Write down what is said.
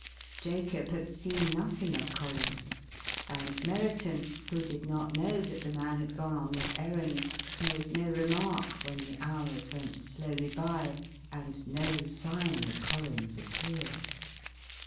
Jacob had seen nothing of Collins, and Merriton, who did not know that the man had gone on this errand, made no remark when the hours went slowly by, and no sign of Collins appeared.